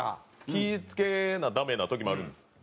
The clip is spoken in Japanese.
気ぃ付けなダメな時もあるんです。